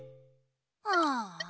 ああ。